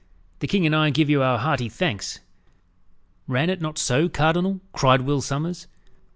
'The king and I give you our hearty thanks!' Ran it not so, cardinal?" cried Will Sommers.